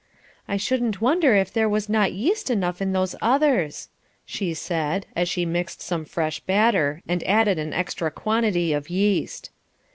"I shouldn't wonder if there was not yeast enough in those others," she said, as she mixed some fresh butter and added an extra quantity of yeast.